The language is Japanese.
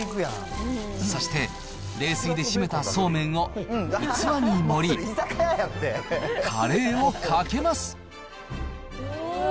そして冷水でしめたそうめんを器に盛り、カレーをかけます。